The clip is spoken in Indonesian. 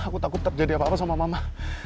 aku takut terjadi apa apa sama mama